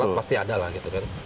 kalau telat pasti ada lah gitu kan